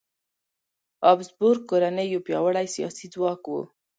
هابسبورګ کورنۍ یو پیاوړی سیاسي ځواک و.